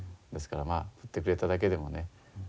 ですからまあ振ってくれただけでもね